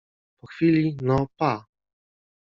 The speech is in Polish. Po chwili: — No, pa.